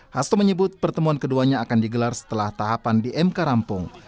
hasto menyebut pertemuan keduanya akan digelar setelah tahapan di mk rampung